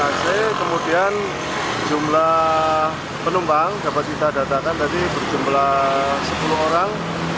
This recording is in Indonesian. ac kemudian jumlah penumpang dapat kita datakan tadi berjumlah sepuluh orang